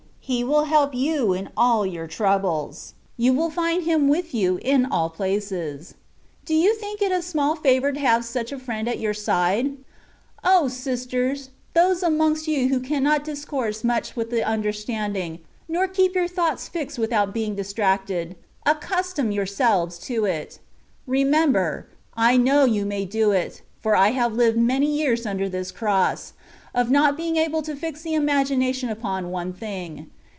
He will help you in all your troubles : you will find Him with you in all places. Do you think it a small favour to have such a friend at your side ? O sisters ! those amongst you who cannot discourse much with the understanding, nor keep your thoughts fixed without being fistracted, accustom your selves to it : remember, I know you may do it, for I have lived many years under this cross, of not being able to fix the imagination upon one thing.